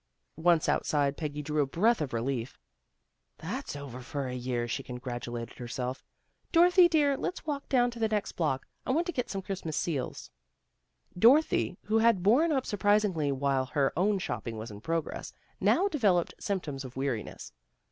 Once outside, Peggy drew a breath of relief. " That's over for a year," she congratulated DOROTHY GOES SHOPPING 191 herself. " Dorothy, dear, let's walk down to the next block. I want to get some Christmas seals." Dorothy who had borne up surprisingly while her own shopping was in progress, now devel oped symptoms of weariness.